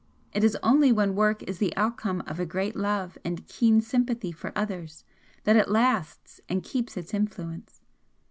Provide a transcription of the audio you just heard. It is only when work is the outcome of a great love and keen sympathy for others that it lasts and keeps its influence.